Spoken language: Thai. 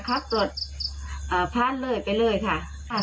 ครับตรวจพลาดเลยไปเลยค่ะไม่ต้องใครค่ะ